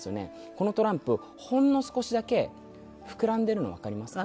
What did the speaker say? このトランプほんの少しだけ膨らんでいるのわかりますか？